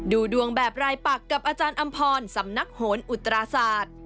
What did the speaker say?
ดูดวงแบบรายปักกับอาจารย์อำพรสำนักโหนอุตราศาสตร์